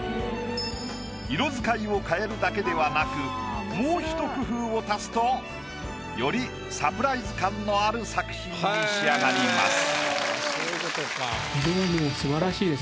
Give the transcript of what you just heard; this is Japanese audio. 色使いを変えるだけではなくもうひと工夫を足すとよりサプライズ感のある作品に仕上がります。